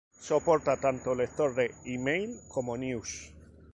Soporta tanto lector de e-mail como news.